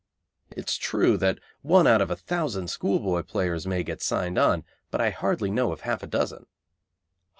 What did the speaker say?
It is true that one out of a thousand schoolboy players may get signed on, but I hardly know of half a dozen.